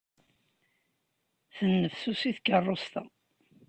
Tennefsusi tkerrust-a.